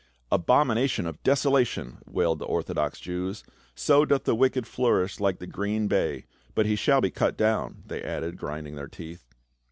"Abomination of desolation !" wailed the orthodox Jews. " So doth the wicked flourish like the green bay ! But he shall be cut down," they added, grind ing their teeth.